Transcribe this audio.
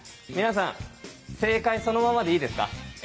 皆さん正解そのままでいいですか？